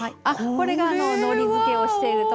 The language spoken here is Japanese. これがのりづけをしているところです。